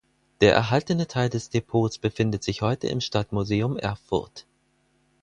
Der erhaltene Teil des Depots befindet sich heute im Stadtmuseum Erfurt.